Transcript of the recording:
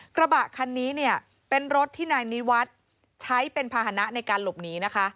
กระบะคันนี้เนี่ยเป็นรถที่นายนิวัฒน์ใช้เป็นภาษณะในการหลบหนีนะคะ